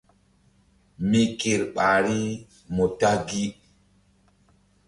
Mi ker ɓahri mu ta gi.